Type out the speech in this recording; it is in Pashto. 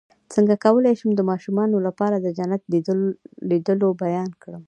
څنګه کولی شم د ماشومانو لپاره د جنت د لیدلو بیان کړم